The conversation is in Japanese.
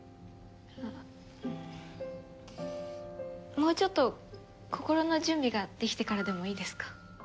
もうちょっと心の準備ができてからでもいいですか？